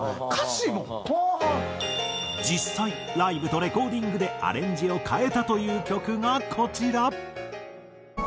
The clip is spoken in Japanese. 実際ライブとレコーディングでアレンジを変えたという曲がこちら。